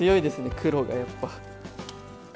黒がやっぱ。